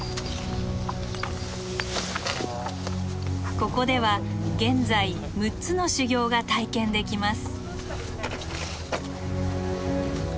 ここでは現在６つの修行が体験できます。